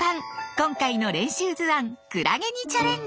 今回の練習図案「クラゲ」にチャレンジ！